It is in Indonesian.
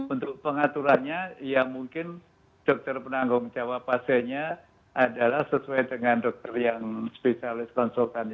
untuk pengaturannya ya mungkin dokter penanggung jawab pasiennya adalah sesuai dengan dokter yang spesialis konsultan